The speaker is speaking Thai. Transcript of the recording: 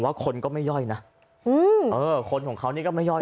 ผมว่าคนตลอดชาติก็ไม่ย่อยนะ